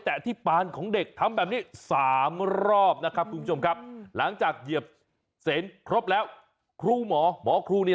แต่สิ่งที่มันเกิดขึ้นแล้วเนี่ย